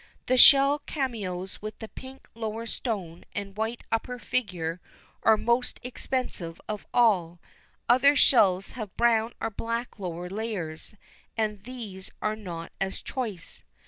The shell cameos with the pink lower stone and white upper figure, are most expensive of all; other shells have brown or black lower layers, and these are not as choice.